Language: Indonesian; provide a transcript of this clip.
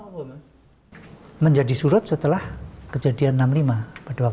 dia menang santri di belajar yang tahu di bondini